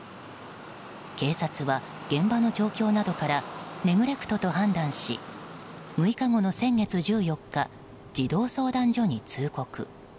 警察は現場の状況などからネグレクトと判断し６日後の先月１４日児童相談所に通告。